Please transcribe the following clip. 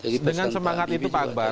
dengan semangat itu pak akbar